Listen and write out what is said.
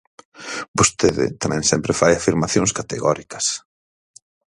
Vostede tamén sempre fai afirmacións categóricas.